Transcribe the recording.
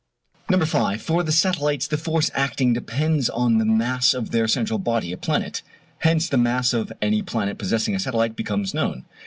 No. 5. For the satellites, the force acting depends on the mass of their central body, a planet. Hence the mass of any planet possessing a satellite becomes known.